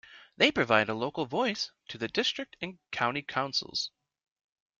They provide a local voice to the district and county councils.